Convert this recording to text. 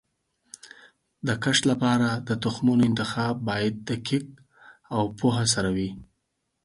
د کښت لپاره د تخمونو انتخاب باید دقیق او پوهه سره وي.